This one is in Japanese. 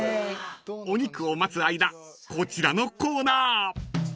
［お肉を待つ間こちらのコーナー］